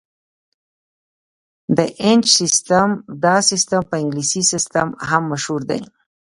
ب - د انچ سیسټم: دا سیسټم په انګلیسي سیسټم هم مشهور دی.